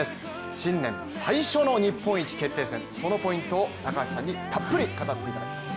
新年最初の日本一決定戦そのポイントを高橋さんにたっぷり語っていただきます。